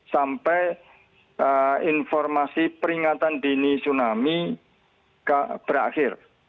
sampai informasi peringatan dini tsunami berakhir